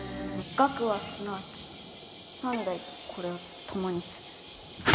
学はすなわち三代これを共にする。